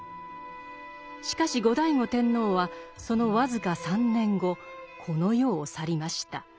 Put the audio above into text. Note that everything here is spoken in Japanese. しかし後醍醐天皇はその僅か３年後この世を去りました。